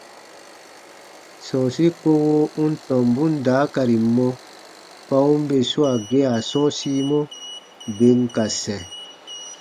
Sɔ̃ɔsi kowo u n tɔmbun daakari mɔ kpa u n bè swaa gea sɔ̃ɔsimɔ, bè n ka sɛ̃.